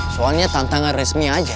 soalnya tantangan resmi aja